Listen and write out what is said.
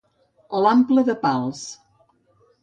L'ample de Pals.